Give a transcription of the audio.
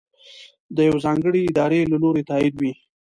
د یوې ځانګړې ادارې له لورې تائید وي.